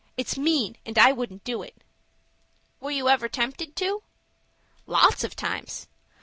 "It's mean and I wouldn't do it." "Were you ever tempted to?" "Lots of times.